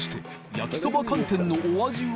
焼きそば寒天のお味は？